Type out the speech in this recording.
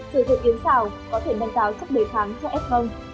sử dụng yến xào có thể nâng cao chất đề kháng cho ép mông